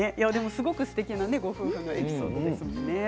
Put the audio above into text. すごくすてきなご夫婦のエピソードですね。